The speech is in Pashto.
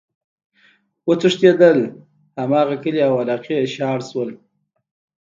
وتښتيدل!! هماغه کلي او علاقي ئی شاړ شول،